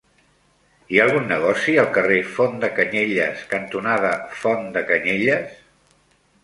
Hi ha algun negoci al carrer Font de Canyelles cantonada Font de Canyelles?